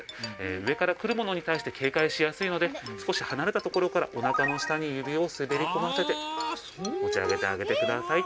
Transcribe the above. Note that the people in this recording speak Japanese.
うえからくるものにたいしてけいかいしやすいのですこしはなれたところからおなかの下に指をすべりこませて持ち上げてあげてください。